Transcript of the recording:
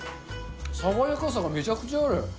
爽やかさがめちゃくちゃある。